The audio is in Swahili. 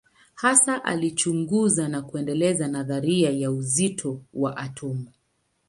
Hasa alichunguza na kuendeleza nadharia ya uzito wa atomu.